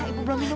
ibu belum minum